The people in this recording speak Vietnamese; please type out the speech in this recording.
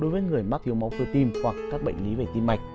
đối với người mắc thiếu máu cơ tim hoặc các bệnh lý về tim mạch